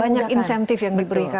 banyak insentif yang diberikan